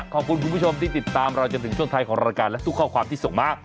คุณผู้ชมที่ติดตามเราจนถึงช่วงท้ายของรายการและทุกข้อความที่ส่งมา